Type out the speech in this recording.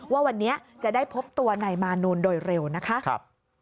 ว่าวันนี้จะได้พบตัวนายมานูนโดยเร็วนะคะ